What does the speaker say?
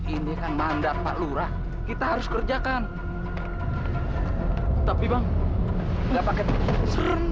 ini kan mandat pak lurah kita harus kerjakan tapi bang enggak pakai tiket serem